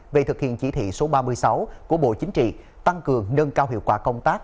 về thực hiện chỉ thị số ba mươi sáu của bộ chính trị tăng cường nâng cao hiệu quả công tác